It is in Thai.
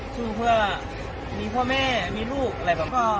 สู้เพื่อมีพ่อแม่มีลูกอะไรแบบนี้